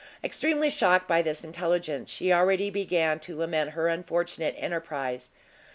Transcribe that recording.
Extremely shocked by this intelligence, she already began to lament her unfortunate enterprise.